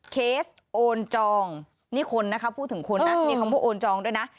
เคสโอนจองนี่คนนะคะพูดถึงคนนะมีคำว่าโอนจองด้วยนะ